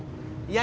lagi sampai dapet